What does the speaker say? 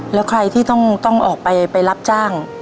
แล้วใครที่ต้องออกไปรับจ้าง